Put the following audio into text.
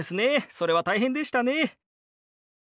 それは大変でしたね。